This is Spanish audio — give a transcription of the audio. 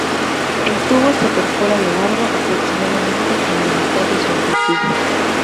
El tubo se perfora a lo largo, aproximadamente en la mitad de su amplitud.